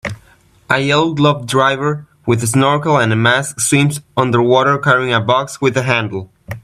A yellow gloved diver with a snorkel and mask swims underwater carrying a box with a handle.